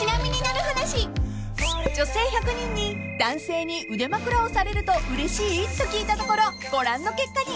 ［女性１００人に男性に腕まくらをされるとうれしい？と聞いたところご覧の結果に］